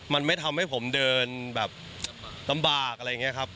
มันไม่ทำให้ผมเดินแบบลำบากอะไรอย่างนี้ครับ